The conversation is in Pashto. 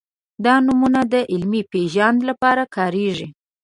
دا نومونه د علمي پېژند لپاره کارېږي.